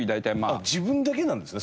自分だけなんですね